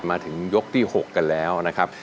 มาถึงยกที่๖กันแล้วนะครับ